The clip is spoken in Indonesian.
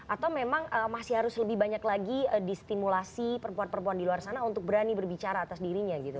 atau memang masih harus lebih banyak lagi distimulasi perempuan perempuan di luar sana untuk berani berbicara atas dirinya gitu